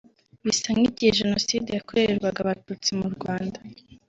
bisa nk’igihe Jenoside yakorerwaga Abatutsi mu Rwanda